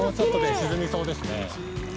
沈みそうですね。